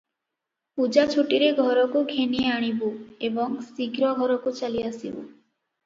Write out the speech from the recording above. ପୂଜା ଛୁଟିରେ ଘରକୁ ଘେନିଆଣିବୁ ଏବଂ ଶୀଘ୍ର ଘରକୁ ଚାଲିଆସିବୁ ।